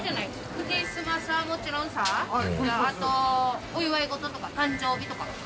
クリスマスはもちろんさあとお祝い事とか誕生日とか。